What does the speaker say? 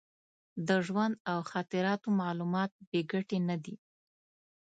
د ژوند او خاطراتو معلومات بې ګټې نه دي.